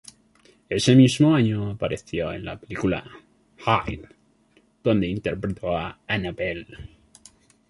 Ese mismo año apareció en la película "Hide" donde interpretó a Annabelle'.